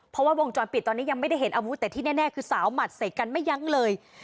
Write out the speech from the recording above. เพราะว่าวงจรปิดตอนนี้ยังไม่ได้เห็นอาวุธแต่ที่แน่คือสาวหมัดใส่กันไม่ยั้งเลย